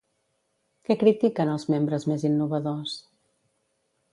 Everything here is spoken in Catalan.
Què critiquen els membres més innovadors?